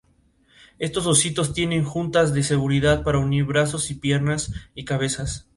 Estos ositos tienen juntas de seguridad para unir brazos, piernas y cabezas.